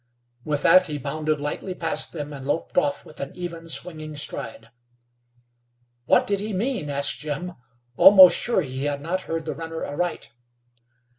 With that he bounded lightly past them, and loped off with an even, swinging stride. "What did he mean?" asked Jim, almost sure he had not heard the runner aright.